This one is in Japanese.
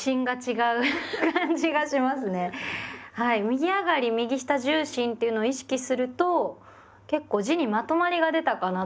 右上がり右下重心っていうのを意識すると結構字にまとまりが出たかなっていう感じがします。